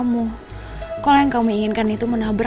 makasih gimana seseorang itu uwoiya